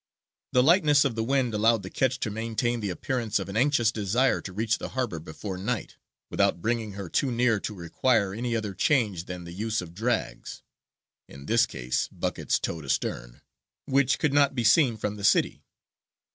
The lightness of the wind allowed the ketch to maintain the appearance of an anxious desire to reach the harbour before night, without bringing her too near to require any other change than the use of drags (in this case buckets towed astern) which could not be seen from the city.